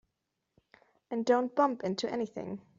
And don't bump into anything.